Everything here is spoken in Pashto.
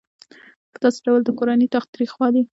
په داسې ډول د کورني تاوتریخوالي